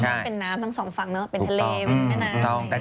ไม่เป็นน้ำทั้งสองฝั่งเนอะเป็นทะเลแม่นาย